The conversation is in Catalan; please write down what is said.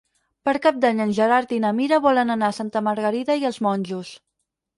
Per Cap d'Any en Gerard i na Mira volen anar a Santa Margarida i els Monjos.